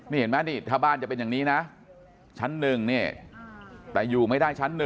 นี่เห็นไหมนี่ถ้าบ้านจะเป็นอย่างนี้นะชั้น๑นี่แต่อยู่ไม่ได้ชั้น๑